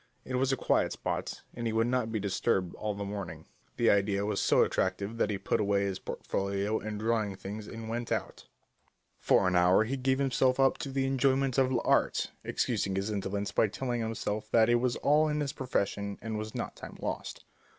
It was a quiet spot, and he would not be disturbed all the morning. The idea was so attractive that he put away his portfolio and drawing things and went out. For an hour he gave himself up to the enjoyment of l'Art, excusing his indolence by telling himself that it was all in his profession and was not time lost.